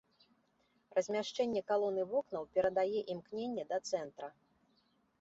Размяшчэнне калон і вокнаў перадае імкненне да цэнтра.